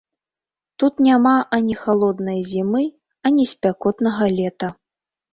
Тут няма ані халоднае зімы, ані спякотнага лета.